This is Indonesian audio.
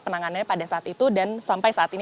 penanganannya pada saat itu dan sampai saat ini